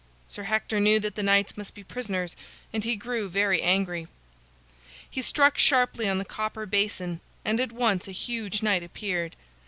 Sir Hector knew that the knights must be prisoners, and he grew very angry. He struck sharply on the copper basin, and at once a huge knight appeared.